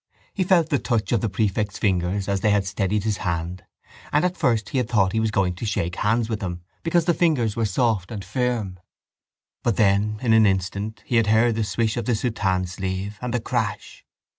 He felt the touch of the prefect's fingers as they had steadied his hand and at first he had thought he was going to shake hands with him because the fingers were soft and firm: but then in an instant he had heard the swish of the soutane sleeve and the crash.